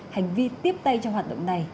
hành vi tiếp tay cho hoạt động này